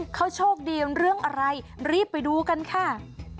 เขาโชคดีเรื่องอะไรรีบไปดูกันค่ะ